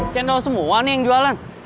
cendol semua nih yang jualan